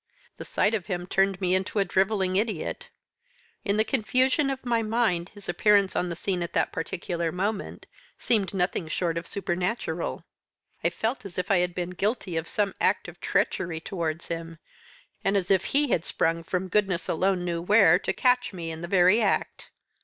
The sight of him turned me into a drivelling idiot. In the confusion of my mind his appearance on the scene at that particular moment seemed nothing short of supernatural. I felt as if I had been guilty of some act of treachery towards him, and as if he had sprung from goodness alone knew where to catch me in the very act.